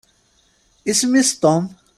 Isem-is Tom.